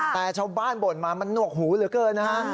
แต่ชาวบ้านบ่นมามันหนวกหูเหลือเกินนะฮะ